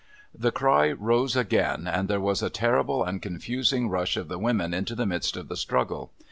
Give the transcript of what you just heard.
The cry rose again, and there was a terrible and confusing rush of the women into the midst of the struggle.